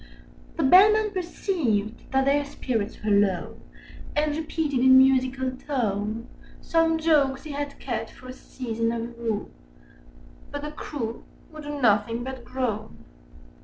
The Bellman perceived that their spirits were low, Â Â Â Â And repeated in musical tone Some jokes he had kept for a season of woe— Â Â Â Â But the crew would do nothing but groan.